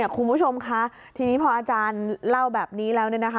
คุณผู้ชมคะทีนี้พออาจารย์เล่าแบบนี้แล้ว